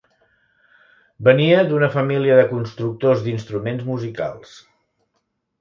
Venia d'una família de constructors d'instruments musicals.